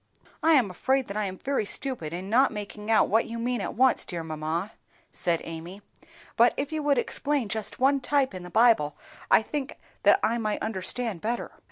"I am afraid that I am very stupid in not making out what you mean at once, dear mamma," said Amy; "but if you would explain just one type in the Bible, I think that I might understand better."